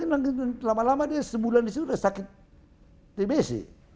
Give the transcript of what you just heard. lama lama dia sebulan di situ sudah sakit tbc